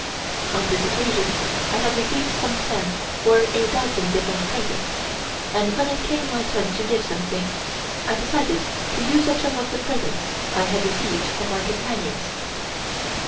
On this occasion I had received some ten or a dozen different presents, and when it came my turn to give something, I decided to use up some of the presents I had received from my companions.